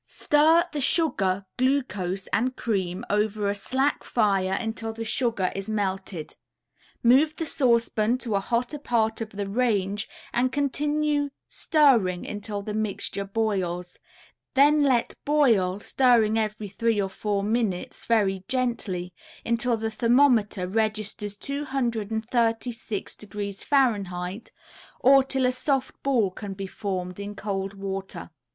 Stir the sugar, glucose and cream over a slack fire until the sugar is melted; move the saucepan to a hotter part of the range and continue stirring until the mixture boils, then let boil, stirring every three or four minutes very gently, until the thermometer registers 236° F., or, till a soft ball can be formed in cold water.